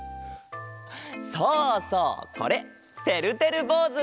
そうそうこれてるてるぼうず！